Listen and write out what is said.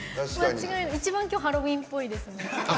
一番今日ハロウィーンっぽいですね。